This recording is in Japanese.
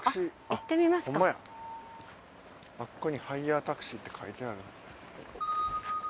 あそこにハイヤータクシーって書いてある。